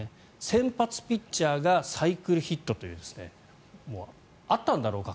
先発ピッチャーがサイクルヒットというあったんだろうか？